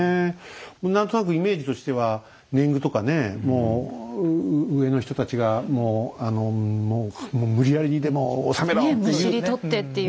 何となくイメージとしては年貢とかねもう上の人たちがもうもう無理やりにでも納めろっていう。